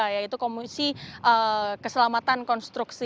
yaitu komisi keselamatan konstruksi